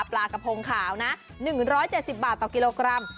ปลากระพงขาวนะ๑๗๐บาทต่อกิโลกรัม